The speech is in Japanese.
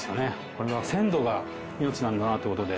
これは鮮度が命なんだなという事で。